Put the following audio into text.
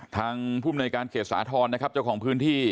ทางภูมิในการเขตสาธรณ์นะครับเจ้าของพื้นที่